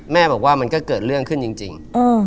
แม่บอกว่ามันก็เกิดเรื่องขึ้นจริง